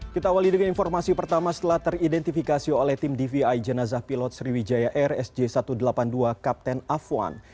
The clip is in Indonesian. kita awali dengan informasi pertama setelah teridentifikasi oleh tim dvi jenazah pilot sriwijaya air sj satu ratus delapan puluh dua kapten afwan